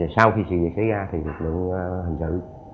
sau khi xử lý kế ra thì lực lượng hình thự